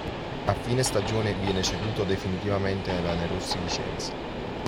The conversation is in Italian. A fine stagione viene ceduto definitivamente al Lanerossi Vicenza.